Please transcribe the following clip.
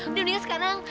udah mendingan sekarang